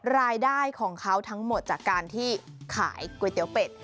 รายได้ของเขาทั้งหมดจากการที่ขายก๋วยเตี๋ยวเป็ด